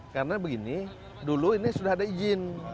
karena begini dulu ini sudah ada izin